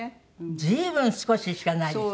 随分少ししかないですね。